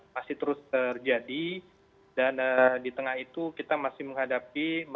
masih terus terjadi dan di tengah itu kita masih menghadapi